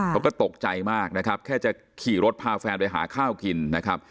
เขาก็ตกใจมากนะครับแค่จะขี่รถพาแฟนไปหาข้าวกินนะครับ